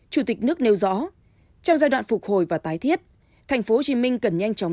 chủ tịch nước nêu rõ trong giai đoạn phục hồi và tái thiết tp hcm cần nhanh chóng